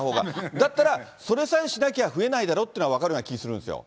だったら、それさえしなきゃ増えないだろっていうのが分かる気するんですよ。